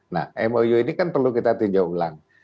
nah mou ini kan perlu kita tinjau ulang